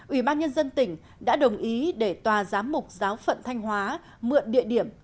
ủy ban nhân dân tỉnh đã đồng ý để tòa giám mục giáo phận thanh hóa mượn địa điểm